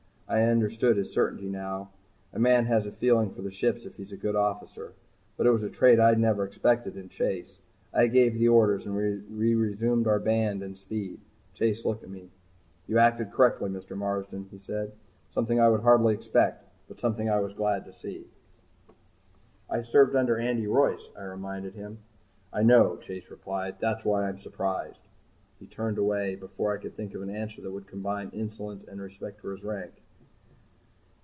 I understood his certainty now. A man has a feeling for ships if he's a good officer. But it was a trait I'd never expected in Chase. I gave the orders and we resumed our band and speed. Chase looked at me. "You acted correctly, Mr. Marsden," he said. "Something I would hardly expect, but something I was glad to see." "I served under Andy Royce," I reminded him. "I know," Chase replied. "That's why I'm surprised." He turned away before I could think of an answer that would combine insolence and respect for his rank.